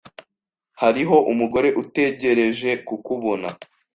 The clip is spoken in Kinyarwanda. Hariho umugore utegereje kukubona.